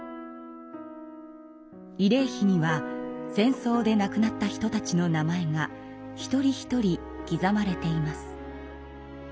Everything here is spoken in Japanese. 慰霊碑には戦争で亡くなった人たちの名前が一人一人刻まれています。